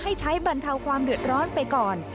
ให้ใช้บรรเทาความเดือดร้อนไปก่อน